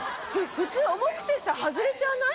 普通重くてさ外れちゃわない？